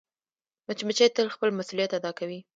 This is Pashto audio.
مچمچۍ تل خپل مسؤولیت ادا کوي